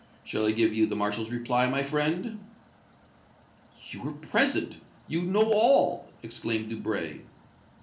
Shall I give you the Marshal's reply, my friend?" "You were present you know all!" exclaimed Debray.